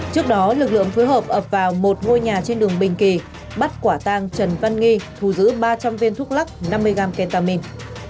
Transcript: trước đó lực lượng phối hợp ập vào một ngôi nhà trên đường bình kỳ bắt quả tàng trần văn nghi thù giữ ba trăm linh viên thuốc lắc năm mươi g ketamine